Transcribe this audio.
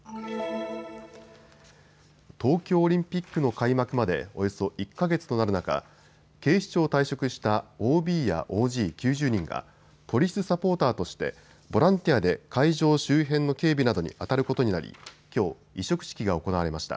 東京オリンピックの開幕までおよそ１か月となる中、警視庁を退職したＯＢやＯＧ９０人がポリスサポーターとしてボランティアで会場周辺の警備などにあたることになりきょう、委嘱式が行われました。